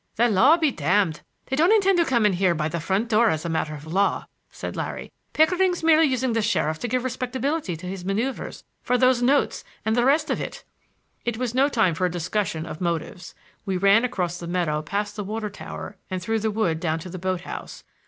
"The law be damned. They don't intend to come in here by the front door as a matter of law," said Larry. "Pickering's merely using the sheriff to give respectability to his manoeuvers for those notes and the rest of it." It was no time for a discussion of motives. We ran across the meadow past the water tower and through the wood down to the boat house.